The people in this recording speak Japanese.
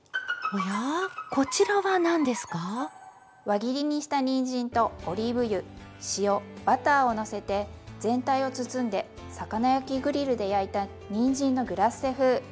輪切りにしたにんじんとオリーブ油塩バターをのせて全体を包んで魚焼きグリルで焼いたにんじんのグラッセ風。